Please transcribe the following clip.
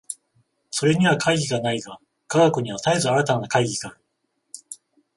それには懐疑がないが、科学には絶えず新たな懐疑がある。